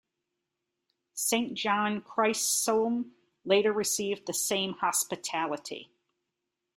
Saint John Chrysostom later received the same hospitality.